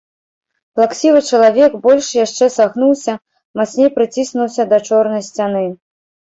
Плаксівы чалавек больш яшчэ сагнуўся, мацней прыціснуўся да чорнай сцяны.